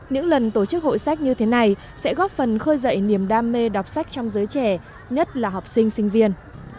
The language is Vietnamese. những lần tổ chức hội sách như thế này sẽ góp phần khơi dậy niềm đam mê đọc sách trong giới trẻ nhất là học sinh sinh viên